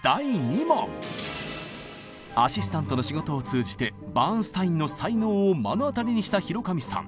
アシスタントの仕事を通じてバーンスタインの才能を目の当たりにした広上さん。